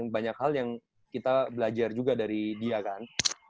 banyak hal yang kita belajar juga dari dia kan